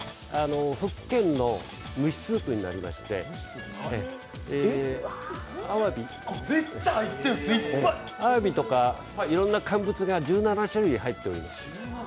福建の蒸しスープになりまして、あわびとかいろんな乾物が１７種類入っています。